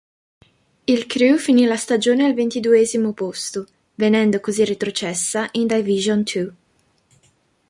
Il Crewe finì la stagione al ventiduesimo posto, venendo così retrocessa in Division Two.